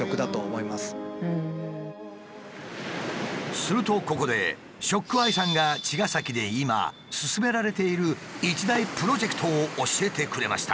するとここでＳＨＯＣＫＥＹＥさんが茅ヶ崎で今進められている一大プロジェクトを教えてくれました。